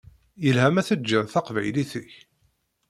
Yelha ma teǧǧiḍ taqbaylit-ik?